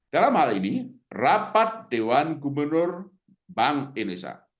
dalam hal ini rapat dewan gubernur bank indonesia